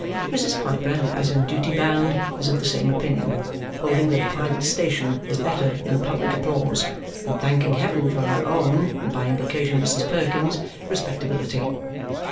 Mrs. Piper, as in duty bound, is of the same opinion, holding that a private station is better than public applause, and thanking heaven for her own (and, by implication, Mrs. Perkins') respectability.